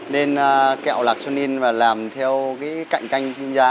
nên kẹo lạc sonin mà làm theo cái cạnh canh giá